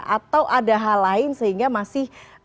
atau ada hal lain sehingga masih